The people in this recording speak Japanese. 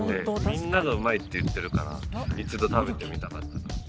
みんながうまいって言ってるから一度食べてみたかった。